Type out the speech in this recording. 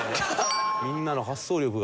みんなの発想力が。